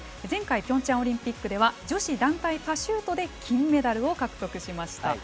前回ピョンチャン・オリンピックでは女子団体パシュートで金メダルを獲得しました。